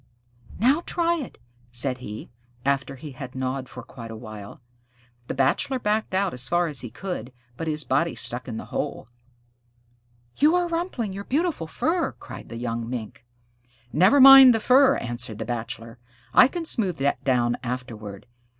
"Now try it," said he, after he had gnawed for quite a while. The Bachelor backed out as far as he could, but his body stuck in the hole. "You are rumpling your beautiful fur," cried the young Mink. "Never mind the fur," answered the Bachelor. "I can smooth that down afterward.